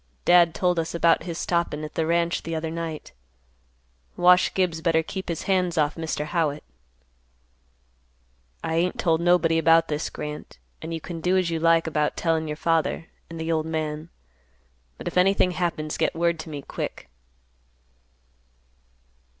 "Dad told us about his stoppin' at the ranch the other night. Wash Gibbs better keep his hands off Mr. Howitt." "I ain't told nobody about this, Grant, and you can do as you like about tellin' your father, and the old man. But if anything happens, get word to me, quick."